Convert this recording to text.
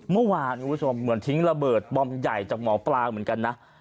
เมื่อวานคุณผู้ชมเหมือนทิ้งระเบิดบอมใหญ่จากหมอปลาเหมือนกันนะ